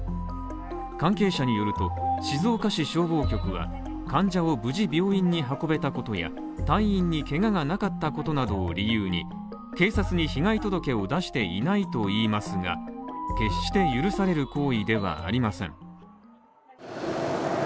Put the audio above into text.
関係者によると静岡市消防局は患者を無事病院に運べたことや、隊員にけががなかったことなどを理由に警察に被害届を出していないと言いますが、決して許される行為ではありません。